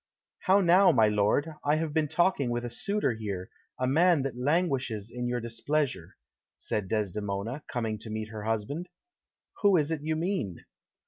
"How now, my lord; I have been talking with a suitor here, a man that languishes in your displeasure," said Desdemona, coming to meet her husband. "Who is it you mean?"